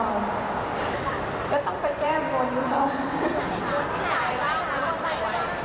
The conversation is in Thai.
ก็ต้องไปแก้บบนอยู่เถอะ